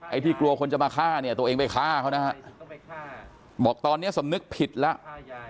ที่กลัวคนจะมาฆ่าเนี่ยตัวเองไปฆ่าเขานะฮะบอกตอนนี้สำนึกผิดแล้ว